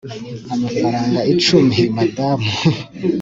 amafaranga icumi, madamu